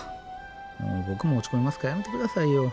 もうボクも落ち込みますからやめて下さいよ。